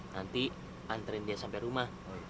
nanti anterin dia sampe rumah